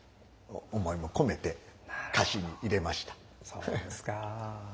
そうですか。